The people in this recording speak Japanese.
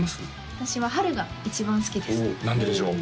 私は春が一番好きですおお何ででしょう？